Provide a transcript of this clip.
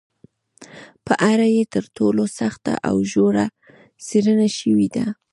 په اړه یې تر ټولو سخته او ژوره څېړنه شوې ده